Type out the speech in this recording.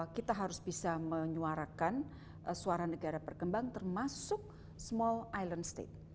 kita harus bisa menyuarakan suara negara berkembang termasuk small island state